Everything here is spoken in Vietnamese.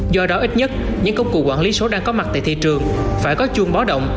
do đó ít nhất những công cụ quản lý số đang có mặt tại thị trường phải có chuông báo động